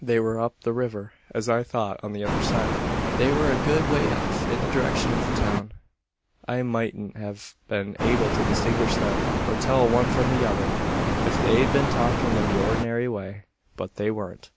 "They were up the river, as I thought on the other side. They were a good way off, in the direction of the town. "I mightn't have been able to distinguish them, or tell one from 'tother, if they'd been talking in the ordinary way. But they weren't.